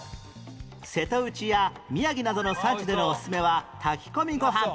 瀬戸内や宮城などの産地でのおすすめは炊き込みご飯